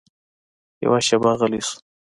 يوه شېبه غلى سو.